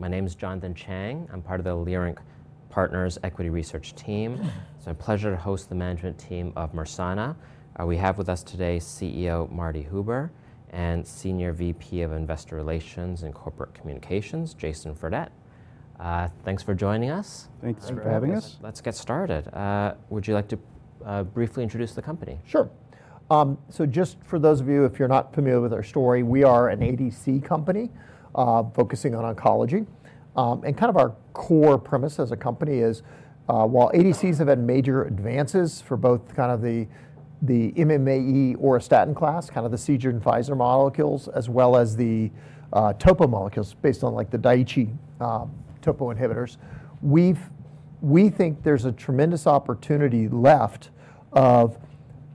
My name is Jonathan Chang. I'm part of the Leerink Partners' Equity Research team. It's my pleasure to host the management team of Mersana. We have with us today CEO Martin Huber and Senior VP of Investor Relations and Corporate Communications, Jason Fredette. Thanks for joining us. Thanks for having us. Let's get started. Would you like to briefly introduce the company? Sure. Just for those of you, if you're not familiar with our story, we are an ADC company focusing on oncology. Kind of our core premise as a company is, while ADCs have had major advances for both kind of the MMAE auristatin class, kind of the Seagen and Pfizer molecules, as well as the topo molecules based on like the Daiichi topo inhibitors, we think there's a tremendous opportunity left of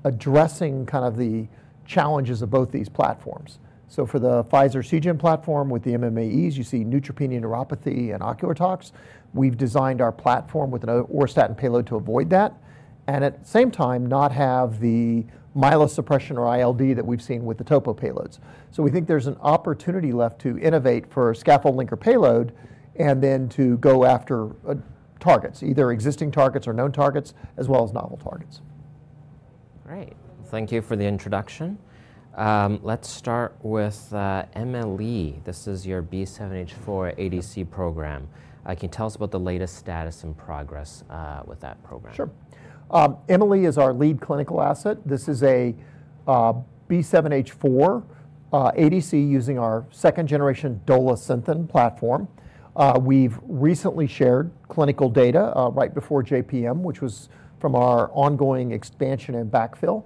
addressing kind of the challenges of both these platforms. For the Pfizer Seagen platform with the MMAEs, you see neutropenia, neuropathy, and ocular tox. We've designed our platform with an auristatin payload to avoid that and at the same time not have the myelosuppression or ILD that we've seen with the topo payloads. We think there's an opportunity left to innovate for a scaffold linker payload and then to go after targets, either existing targets or known targets, as well as novel targets. Great. Thank you for the introduction. Let's start with MME. This is your B7-H4 ADC program. Can you tell us about the latest status and progress with that program? Sure. MME is our lead clinical asset. This is a B7-H4 ADC using our second generation Dolasynthen platform. We've recently shared clinical data right before JPM, which was from our ongoing expansion and backfill.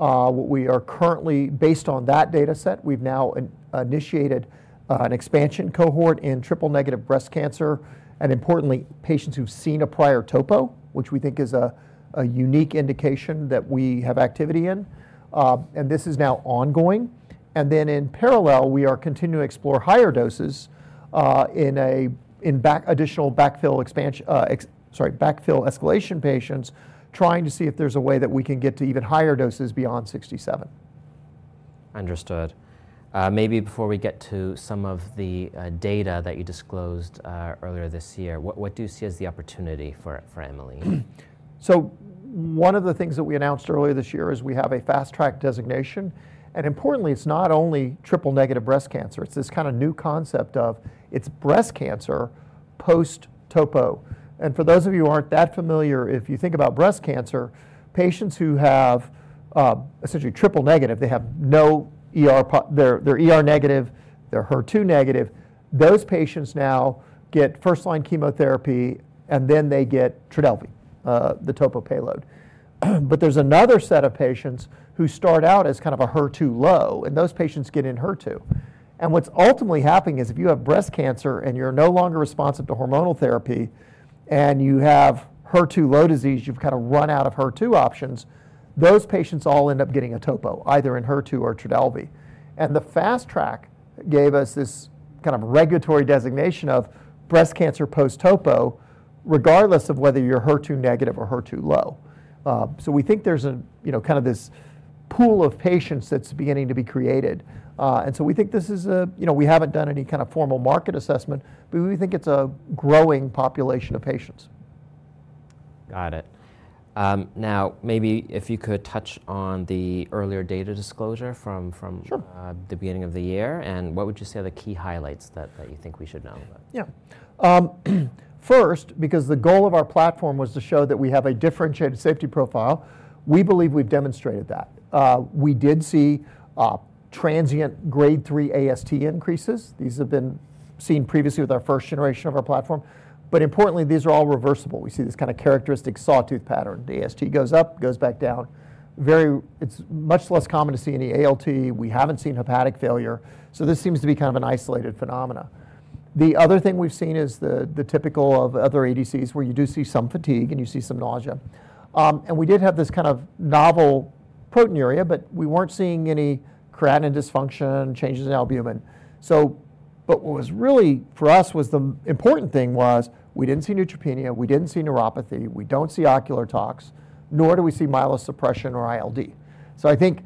We are currently, based on that data set, we've now initiated an expansion cohort in triple negative breast cancer and, importantly, patients who've seen a prior topo, which we think is a unique indication that we have activity in. This is now ongoing. In parallel, we are continuing to explore higher doses in additional backfill escalation patients, trying to see if there's a way that we can get to even higher doses beyond 67 mg per meter squared. Understood. Maybe before we get to some of the data that you disclosed earlier this year, what do you see as the opportunity for MME? One of the things that we announced earlier this year is we have a fast track designation. Importantly, it's not only triple negative breast cancer. It's this kind of new concept of breast cancer post-topo. For those of you who aren't that familiar, if you think about breast cancer, patients who have essentially triple negative, they are negative, they are HER2-negative. Those patients now get first line chemotherapy and then they get Trodelvy, the topo payload. There is another set of patients who start out as kind of a HER2-low and those patients get Enhertu. What's ultimately happening is if you have breast cancer and you're no longer responsive to hormonal therapy and you have HER2-low disease, you've kind of run out of HER2 options, those patients all end up getting a topo, either Enhertu or Trodelvy. The fast track gave us this kind of regulatory designation of breast cancer post-topo, regardless of whether you're HER2-negative or HER2-low. We think there's kind of this pool of patients that's beginning to be created. We think this is a, you know, we haven't done any kind of formal market assessment, but we think it's a growing population of patients. Got it. Now, maybe if you could touch on the earlier data disclosure from the beginning of the year, and what would you say are the key highlights that you think we should know? Yeah. First, because the goal of our platform was to show that we have a differentiated safety profile, we believe we've demonstrated that. We did see transient grade three AST increases. These have been seen previously with our first generation of our platform. Importantly, these are all reversible. We see this kind of characteristic sawtooth pattern. The AST goes up, goes back down. It's much less common to see any ALT. We haven't seen hepatic failure. This seems to be kind of an isolated phenomenon. The other thing we've seen is the typical of other ADCs where you do see some fatigue and you see some nausea. We did have this kind of novel proteinuria, but we weren't seeing any creatinine dysfunction, changes in albumin. What was really for us was the important thing was we did not see neutropenia, we did not see neuropathy, we do not see ocular tox, nor do we see myelosuppression or ILD. I think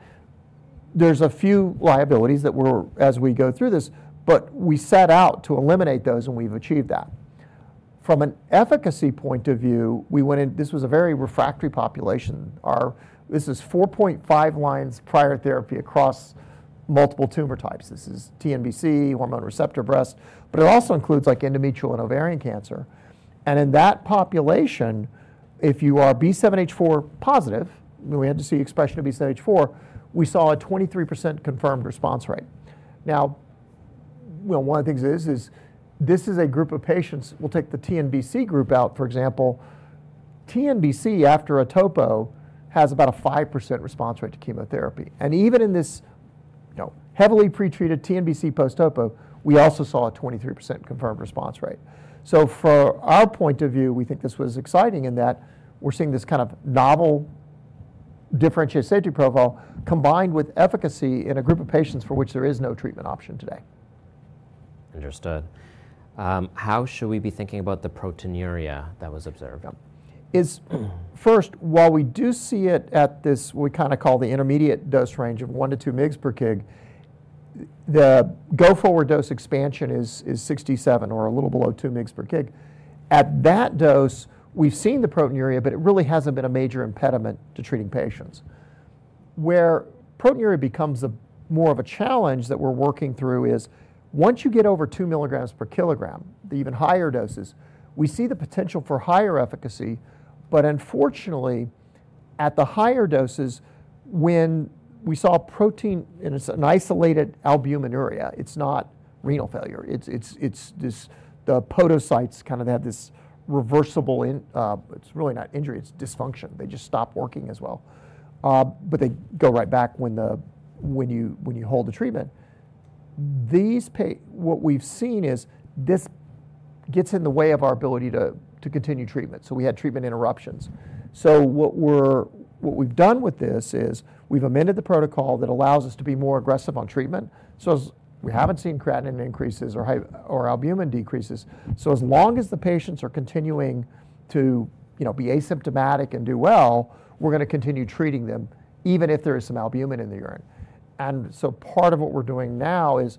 there are a few liabilities that were, as we go through this, but we set out to eliminate those and we have achieved that. From an efficacy point of view, we went in, this was a very refractory population. This is 4.5 lines prior therapy across multiple tumor types. This is TNBC, hormone receptor breast, but it also includes like endometrial and ovarian cancer. In that population, if you are B7-H4-positive, we had to see expression of B7-H4, we saw a 23% confirmed response rate. Now, one of the things is, this is a group of patients, we'll take the TNBC group out, for example, TNBC after a topo has about a 5% response rate to chemotherapy. Even in this heavily pretreated TNBC post-topo, we also saw a 23% confirmed response rate. From our point of view, we think this was exciting in that we're seeing this kind of novel differentiated safety profile combined with efficacy in a group of patients for which there is no treatment option today. Understood. How should we be thinking about the proteinuria that was observed? First, while we do see it at this, we kind of call the intermediate dose range of one to two mg/kg, the go-forward dose expansion is 67 or a little below two mg/kg. At that dose, we've seen the proteinuria, but it really hasn't been a major impediment to treating patients. Where proteinuria becomes more of a challenge that we're working through is once you get over two mg/kg, the even higher doses, we see the potential for higher efficacy. Unfortunately, at the higher doses, when we saw protein in an isolated albuminuria, it's not renal failure. It's the podocytes kind of have this reversible, it's really not injury, it's dysfunction. They just stop working as well. They go right back when you hold the treatment. What we've seen is this gets in the way of our ability to continue treatment. We had treatment interruptions. What we've done with this is we've amended the protocol that allows us to be more aggressive on treatment. We haven't seen creatinine increases or albumin decreases. As long as the patients are continuing to be asymptomatic and do well, we're going to continue treating them even if there is some albumin in the urine. Part of what we're doing now is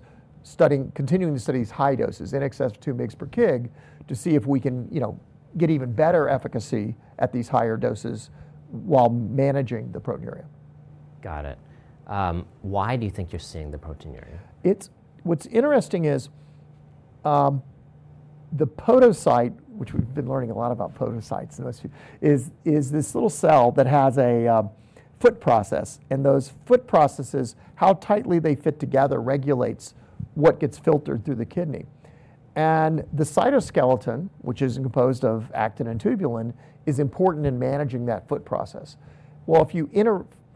continuing to study these high doses, in excess of 2 mg/kg, to see if we can get even better efficacy at these higher doses while managing the proteinuria. Got it. Why do you think you're seeing the proteinuria? What's interesting is the podocyte, which we've been learning a lot about podocytes in this field, is this little cell that has a foot process. Those foot processes, how tightly they fit together regulates what gets filtered through the kidney. The cytoskeleton, which is composed of actin and tubulin, is important in managing that foot process. If you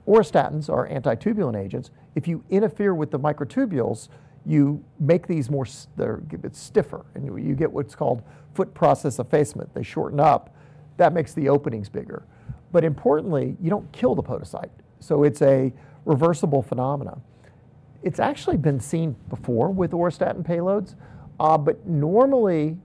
auristatins are anti-tubulin agents, if you interfere with the microtubules, you make these more, it's stiffer and you get what's called foot process effacement. They shorten up. That makes the openings bigger. Importantly, you don't kill the podocyte. It's a reversible phenomenon. It's actually been seen before with auristatin payloads, but normally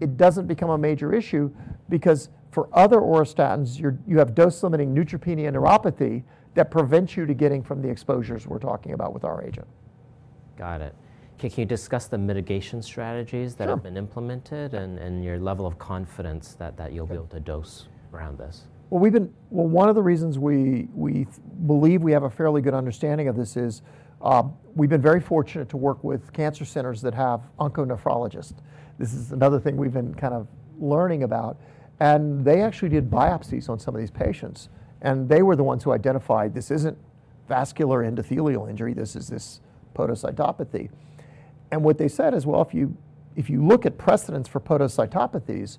it doesn't become a major issue because for other auristatins you have dose limiting neutropenia and neuropathy that prevents you from getting from the exposures we're talking about with our agent. Got it. Can you discuss the mitigation strategies that have been implemented and your level of confidence that you'll be able to dose around this? One of the reasons we believe we have a fairly good understanding of this is we've been very fortunate to work with cancer centers that have onco-nephrologists. This is another thing we've been kind of learning about. They actually did biopsies on some of these patients. They were the ones who identified this isn't vascular endothelial injury, this is this podocytopathy. What they said is, if you look at precedents for podocytopathies,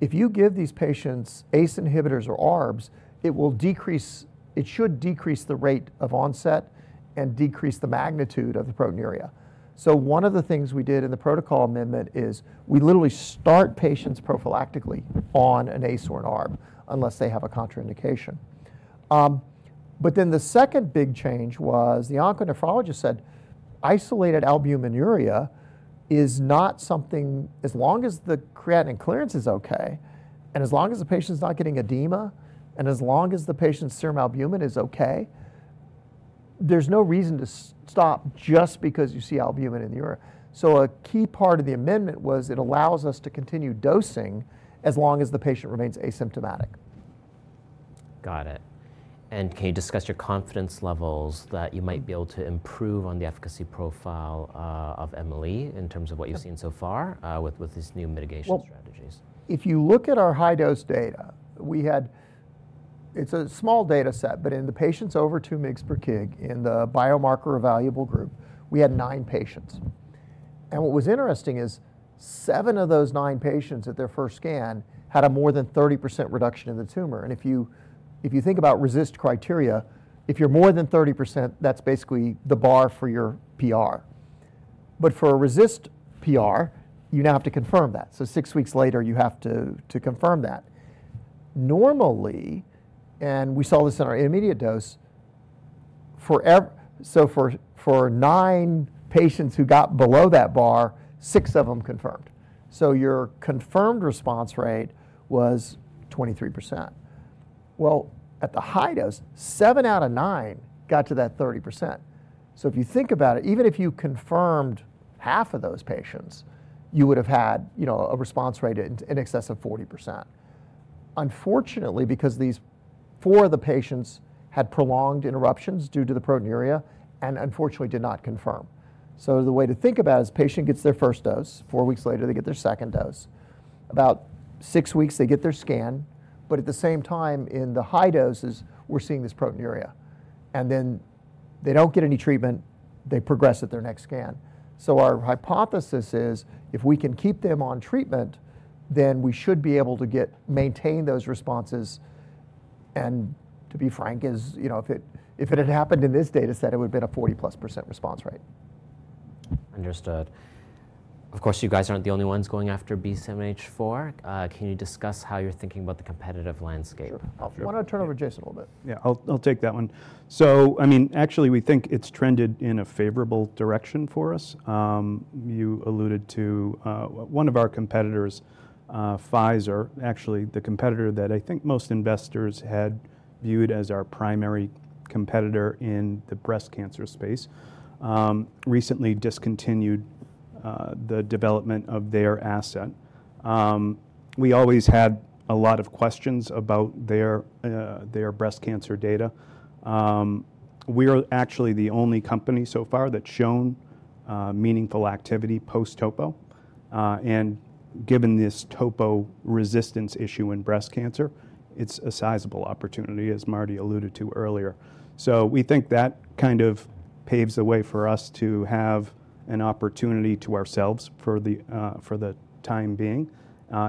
if you give these patients ACE inhibitors or ARBs, it should decrease the rate of onset and decrease the magnitude of the proteinuria. One of the things we did in the protocol amendment is we literally start patients prophylactically on an ACE or an ARB unless they have a contraindication. Then the second big change was the onco-nephrologist said isolated albuminuria is not something, as long as the creatinine clearance is okay and as long as the patient's not getting edema and as long as the patient's serum albumin is okay, there's no reason to stop just because you see albumin in the urine. A key part of the amendment was it allows us to continue dosing as long as the patient remains asymptomatic. Got it. Can you discuss your confidence levels that you might be able to improve on the efficacy profile of MME in terms of what you've seen so far with these new mitigation strategies? If you look at our high dose data, it's a small data set, but in the patients over 2 mg/kg in the biomarker evaluable group, we had nine patients. What was interesting is seven of those nine patients at their first scan had a more than 30% reduction in the tumor. If you think about RECIST criteria, if you're more than 30%, that's basically the bar for your PR. For a RECIST PR, you now have to confirm that. Six weeks later, you have to confirm that. Normally, and we saw this in our intermediate dose, for nine patients who got below that bar, six of them confirmed. Your confirmed response rate was 23%. At the high dose, seven out of nine got to that 30%. If you think about it, even if you confirmed half of those patients, you would have had a response rate in excess of 40%. Unfortunately, because these four of the patients had prolonged interruptions due to the proteinuria and unfortunately did not confirm. The way to think about it is patient gets their first dose, four weeks later they get their second dose, about six weeks they get their scan, but at the same time in the high doses, we're seeing this proteinuria. They do not get any treatment, they progress at their next scan. Our hypothesis is if we can keep them on treatment, then we should be able to maintain those responses. To be frank, if it had happened in this data set, it would have been a 40+% response rate. Understood. Of course, you guys aren't the only ones going after B7-H4. Can you discuss how you're thinking about the competitive landscape? Sure. I want to turn over to Jason a little bit. Yeah, I'll take that one. I mean, actually we think it's trended in a favorable direction for us. You alluded to one of our competitors, Pfizer, actually the competitor that I think most investors had viewed as our primary competitor in the breast cancer space, recently discontinued the development of their asset. We always had a lot of questions about their breast cancer data. We are actually the only company so far that's shown meaningful activity post-topo. Given this topo resistance issue in breast cancer, it's a sizable opportunity, as Marty alluded to earlier. We think that kind of paves the way for us to have an opportunity to ourselves for the time being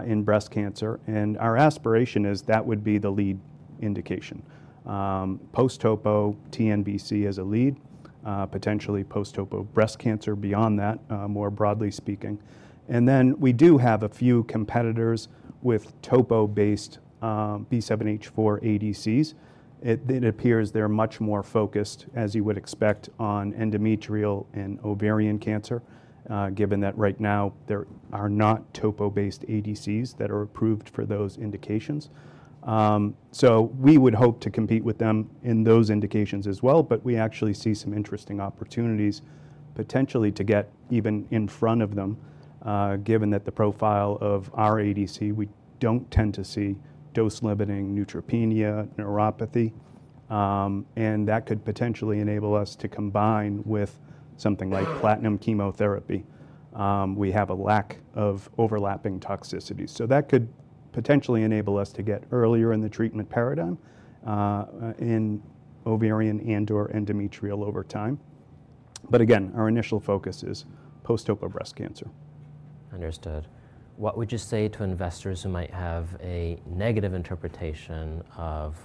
in breast cancer. Our aspiration is that would be the lead indication. Post-topo TNBC as a lead, potentially post-topo breast cancer beyond that, more broadly speaking. We do have a few competitors with topo based B7-H4 ADCs. It appears they're much more focused, as you would expect, on endometrial and ovarian cancer, given that right now there are not topo based ADCs that are approved for those indications. We would hope to compete with them in those indications as well, but we actually see some interesting opportunities potentially to get even in front of them, given that the profile of our ADC, we don't tend to see dose limiting neutropenia, neuropathy. That could potentially enable us to combine with something like platinum chemotherapy. We have a lack of overlapping toxicity. That could potentially enable us to get earlier in the treatment paradigm in ovarian and endometrial over time. Again, our initial focus is post-topo breast cancer. Understood. What would you say to investors who might have a negative interpretation of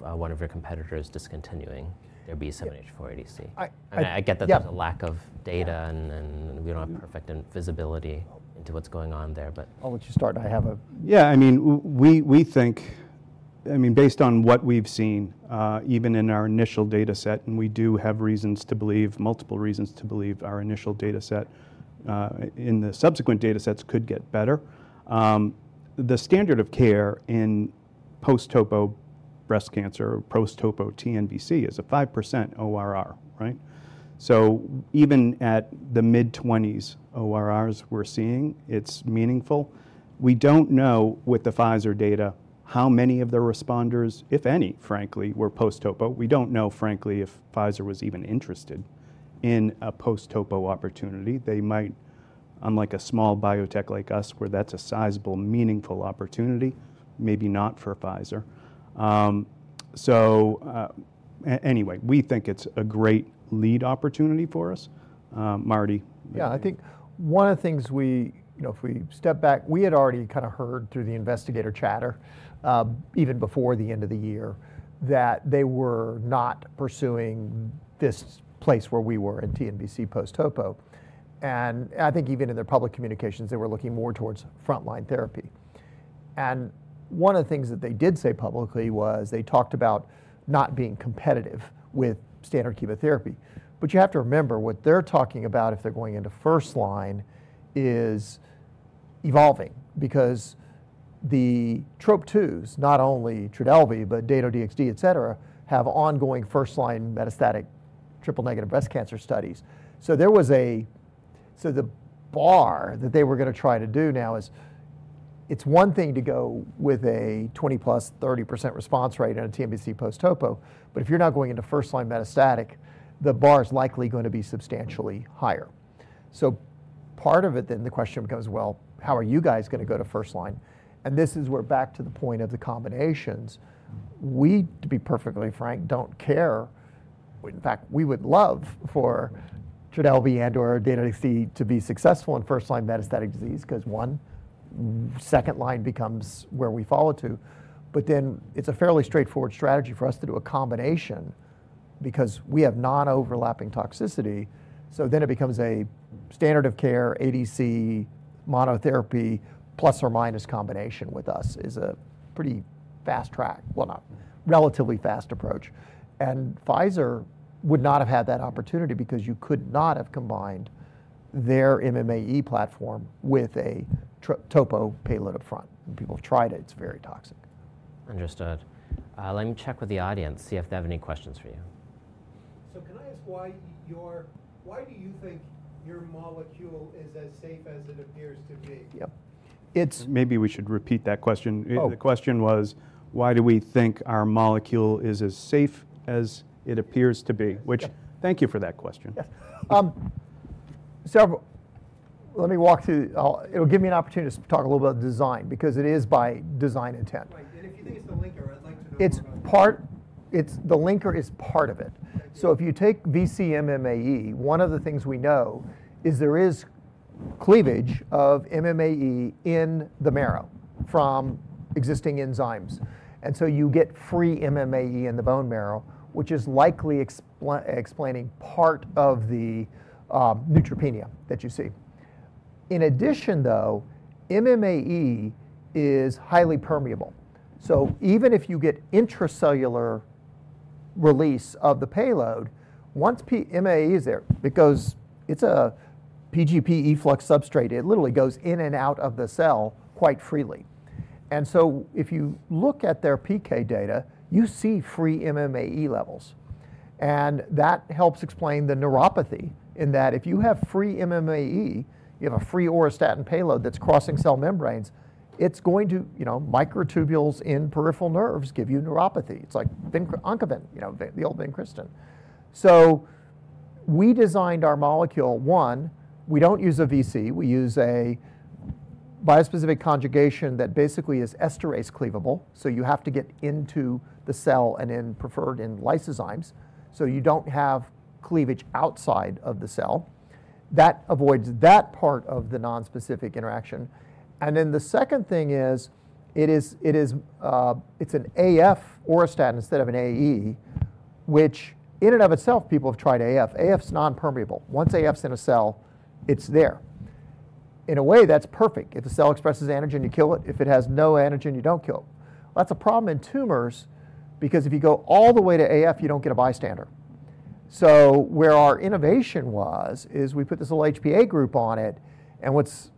one of your competitors discontinuing their B7-H4 ADC? I get that there's a lack of data and we don't have perfect visibility into what's going on there, but. I'll let you start. I have a. Yeah, I mean, we think, I mean, based on what we've seen, even in our initial data set, and we do have reasons to believe, multiple reasons to believe our initial data set, in the subsequent data sets could get better. The standard of care in post-topo breast cancer or post-topo TNBC is a 5% ORR, right? So even at the mid 20s ORRs we're seeing, it's meaningful. We don't know with the Pfizer data how many of the responders, if any, frankly, were post-topo. We don't know, frankly, if Pfizer was even interested in a post-topo opportunity. They might, unlike a small biotech like us, where that's a sizable, meaningful opportunity, maybe not for Pfizer. Anyway, we think it's a great lead opportunity for us. Marty. Yeah, I think one of the things we, if we step back, we had already kind of heard through the investigator chatter even before the end of the year that they were not pursuing this place where we were in TNBC post-topo. I think even in their public communications, they were looking more towards frontline therapy. One of the things that they did say publicly was they talked about not being competitive with standard chemotherapy. You have to remember what they're talking about if they're going into first line is evolving because the Trop-2s, not only Trodelvy, but Dato-DXd, et cetera, have ongoing first line metastatic triple-negative breast cancer studies. There was a, so the bar that they were going to try to do now is it's one thing to go with a 20%-30% response rate in a TNBC post-topo, but if you're not going into first line metastatic, the bar is likely going to be substantially higher. Part of it then the question becomes, well, how are you guys going to go to first line? This is where back to the point of the combinations, we to be perfectly frank don't care. In fact, we would love for Trodelvy and/or Dato-DXd to be successful in first line metastatic disease because one, second line becomes where we follow to. Then it's a fairly straightforward strategy for us to do a combination because we have non-overlapping toxicity. Then it becomes a standard of care ADC monotherapy +/- combination with us is a pretty fast track, well, not relatively fast approach. Pfizer would not have had that opportunity because you could not have combined their MMAE platform with a topo payload upfront. People have tried it. It's very toxic. Understood. Let me check with the audience, see if they have any questions for you. Can I ask why do you think your molecule is as safe as it appears to be? Yep. Maybe we should repeat that question. The question was, why do we think our molecule is as safe as it appears to be? Which, thank you for that question. Let me walk through, it'll give me an opportunity to talk a little bit about design because it is by design intent. Right. If you think it's the linker, I'd like to know. It's part, the linker is part of it. If you take vcMMAE, one of the things we know is there is cleavage of MMAE in the marrow from existing enzymes. You get free MMAE in the bone marrow, which is likely explaining part of the neutropenia that you see. In addition though, MMAE is highly permeable. Even if you get intracellular release of the payload, once MMAE is there, it goes, it's a P-gp efflux substrate. It literally goes in and out of the cell quite freely. If you look at their PK data, you see free MMAE levels. That helps explain the neuropathy in that if you have free MMAE, you have a free auristatin payload that's crossing cell membranes, it's going to, you know, microtubules in peripheral nerves give you neuropathy. It's like Oncovin, you know, the old Vincristine. We designed our molecule, one, we do not use a VC, we use a biospecific conjugation that basically is esterase cleavable. You have to get into the cell and in preferred in lysozymes. You do not have cleavage outside of the cell. That avoids that part of the nonspecific interaction. The second thing is it is, it is an AF auristatin instead of an AE, which in and of itself people have tried AF. AF is non-permeable. Once AF is in a cell, it is there. In a way, that is perfect. If the cell expresses antigen, you kill it. If it has no antigen, you do not kill it. That is a problem in tumors because if you go all the way to AF, you do not get a bystander. Where our innovation was is we put this little HPA group on it and what's,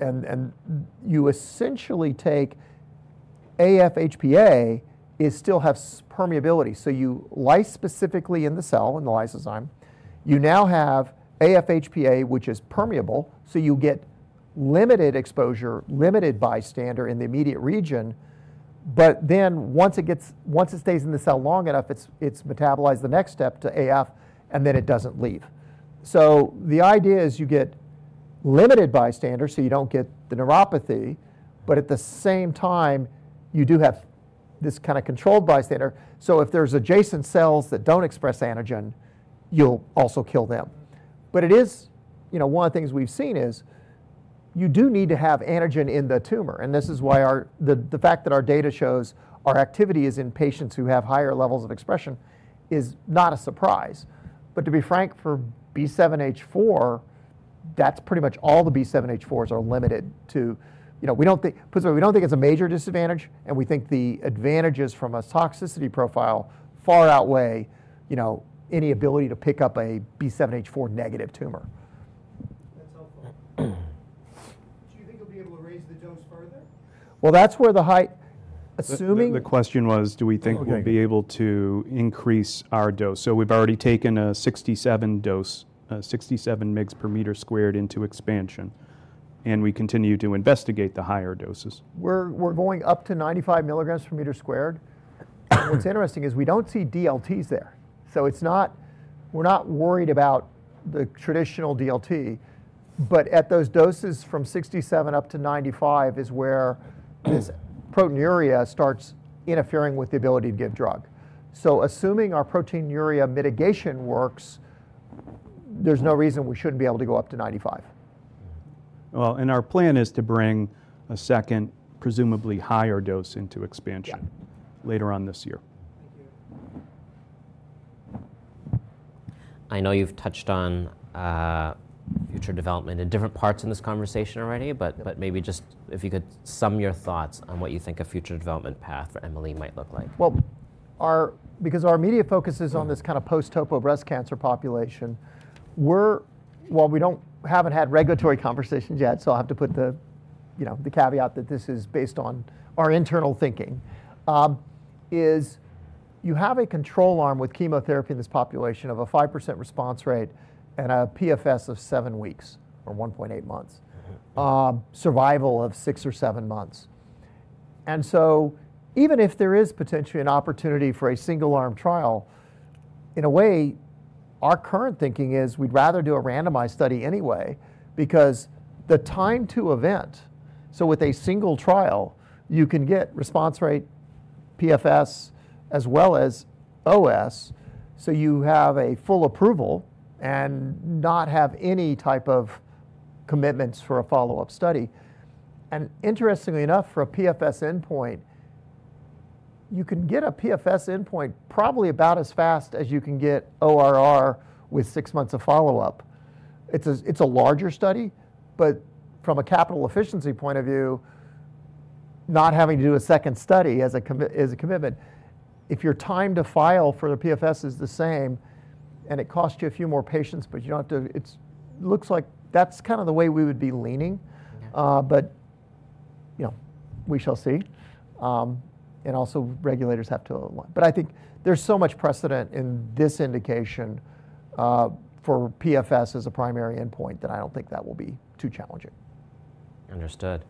and you essentially take AF HPA, you still have permeability. You lyse specifically in the cell in the lysozyme. You now have AF HPA, which is permeable. You get limited exposure, limited bystander in the immediate region. Once it stays in the cell long enough, it's metabolized the next step to AF and then it doesn't leave. The idea is you get limited bystander, so you don't get the neuropathy, but at the same time you do have this kind of controlled bystander. If there's adjacent cells that don't express antigen, you'll also kill them. It is, you know, one of the things we've seen is you do need to have antigen in the tumor. This is why the fact that our data shows our activity is in patients who have higher levels of expression is not a surprise. To be frank, for B7-H4, that's pretty much all the B7-H4s are limited to, you know, we don't think, we don't think it's a major disadvantage and we think the advantages from a toxicity profile far outweigh, you know, any ability to pick up a B7-H4-negative tumor. That's helpful. Do you think you'll be able to raise the dose further? That's where the height, assuming. The question was, do we think we'll be able to increase our dose? We've already taken a 67 dose, 67 mg per meter squared into expansion. We continue to investigate the higher doses. We're going up to 95 mg per meter squared. What's interesting is we don't see DLTs there. It's not, we're not worried about the traditional DLT, but at those doses from 67 mg per meter squared up to 95 mg per meter squared is where this proteinuria starts interfering with the ability to give drug. Assuming our proteinuria mitigation works, there's no reason we shouldn't be able to go up to 95 mg per meter squared. Our plan is to bring a second, presumably higher dose into expansion later on this year. Thank you. I know you've touched on future development in different parts in this conversation already, but maybe just if you could sum your thoughts on what you think a future development path for MME might look like. Our, because our media focuses on this kind of post-topo breast cancer population, we're, while we don't, haven't had regulatory conversations yet, so I'll have to put the, you know, the caveat that this is based on our internal thinking, is you have a control arm with chemotherapy in this population of a 5% response rate and a PFS of seven weeks or 1.8 months, survival of six or seven months. Even if there is potentially an opportunity for a single arm trial, in a way, our current thinking is we'd rather do a randomized study anyway because the time to event, so with a single trial, you can get response rate, PFS, as well as OS. You have a full approval and not have any type of commitments for a follow-up study. Interestingly enough, for a PFS endpoint, you can get a PFS endpoint probably about as fast as you can get ORR with six months of follow-up. It is a larger study, but from a capital efficiency point of view, not having to do a second study as a commitment, if your time to file for the PFS is the same and it costs you a few more patients, but you do not have to, it looks like that is kind of the way we would be leaning. You know, we shall see. Also, regulators have to align. I think there is so much precedent in this indication for PFS as a primary endpoint that I do not think that will be too challenging. Understood.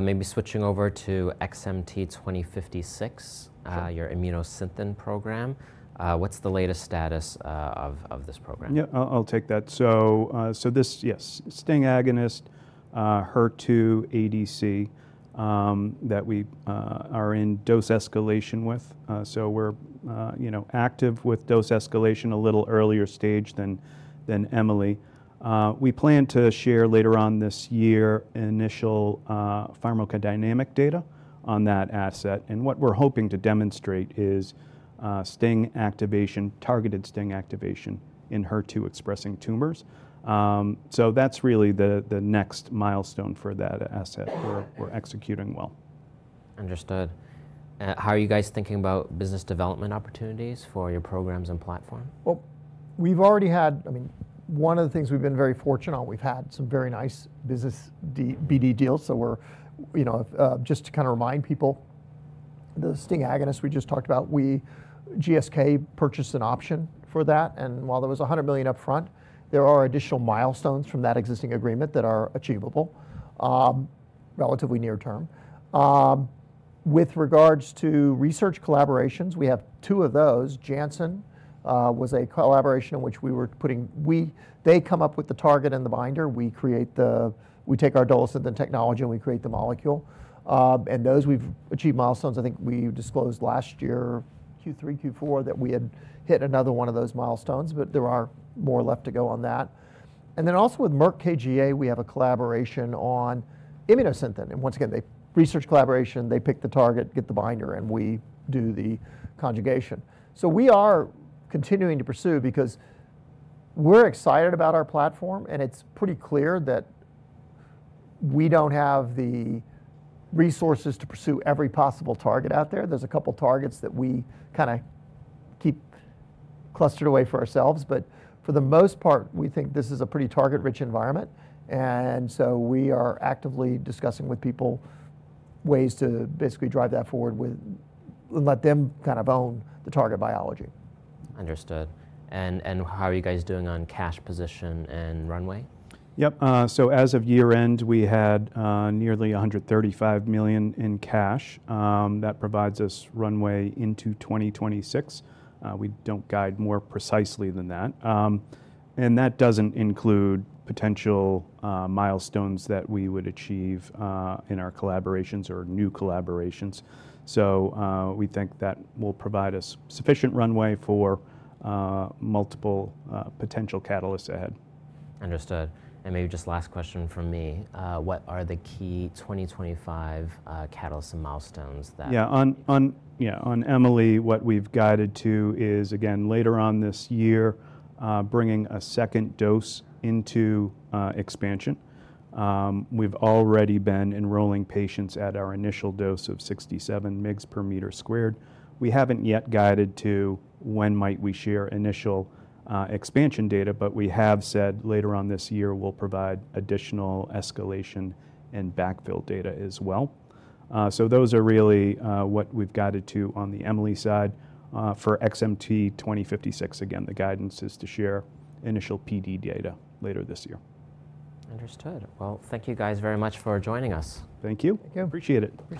Maybe switching over to XMT-2056, your Immunosynthen program. What's the latest status of this program? Yeah, I'll take that. Yes, STING agonist, HER2 ADC that we are in dose escalation with. We're, you know, active with dose escalation, a little earlier stage than MME. We plan to share later on this year initial pharmacodynamic data on that asset. What we're hoping to demonstrate is STING activation, targeted STING activation in HER2 expressing tumors. That's really the next milestone for that asset we're executing well. Understood. How are you guys thinking about business development opportunities for your programs and platform? We have already had, I mean, one of the things we have been very fortunate on, we have had some very nice business BD deals. We are, you know, just to kind of remind people, the STING agonist we just talked about, GSK purchased an option for that. While there was a $100 million upfront, there are additional milestones from that existing agreement that are achievable relatively near term. With regards to research collaborations, we have two of those. Janssen was a collaboration in which they come up with the target and the binder. We take our Dolasynthen technology and we create the molecule. We have achieved milestones. I think we disclosed last year, Q3, Q4 that we had hit another one of those milestones, but there are more left to go on that. With Merck KGaA, we have a collaboration on Immunosynthen. Once again, they research collaboration, they pick the target, get the binder, and we do the conjugation. We are continuing to pursue because we're excited about our platform and it's pretty clear that we don't have the resources to pursue every possible target out there. There's a couple of targets that we kind of keep clustered away for ourselves. For the most part, we think this is a pretty target-rich environment. We are actively discussing with people ways to basically drive that forward with, let them kind of own the target biology. Understood. How are you guys doing on cash position and runway? Yep. As of year end, we had nearly $135 million in cash. That provides us runway into 2026. We do not guide more precisely than that. That does not include potential milestones that we would achieve in our collaborations or new collaborations. We think that will provide us sufficient runway for multiple potential catalysts ahead. Understood. Maybe just last question from me. What are the key 2025 catalysts and milestones that? Yeah, on MME, what we've guided to is again, later on this year, bringing a second dose into expansion. We've already been enrolling patients at our initial dose of 67 mg per meter squared. We haven't yet guided to when might we share initial expansion data, but we have said later on this year we'll provide additional escalation and backfill data as well. Those are really what we've guided to on the MME side for XMT-2056. Again, the guidance is to share initial PD data later this year. Understood. Thank you guys very much for joining us. Thank you. Appreciate it.